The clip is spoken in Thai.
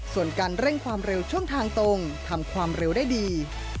ส่วนการเร่งความเร็วช่วงทางตรงทำความเร็วได้ดี